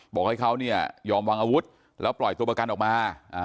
บอกให้เขาเนี่ยยอมวางอาวุธแล้วปล่อยตัวประกันออกมาอ่า